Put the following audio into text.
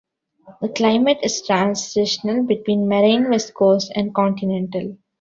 The climate is transitional between marine west coast and continental.